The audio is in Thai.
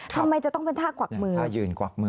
ทำไมจะต้องเป็นท่ากวักมือ